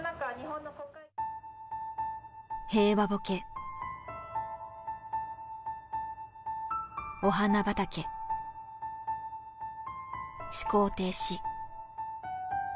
「平和ボケ」「お花畑」「思考停止」